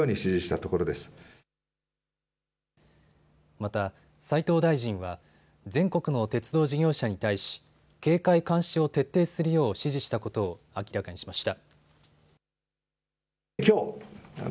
また斉藤大臣は全国の鉄道事業者に対し警戒・監視を徹底するよう指示したことを明らかにしました。